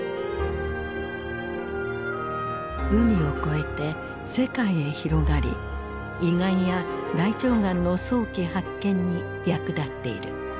海を越えて世界へ広がり胃がんや大腸がんの早期発見に役立っている。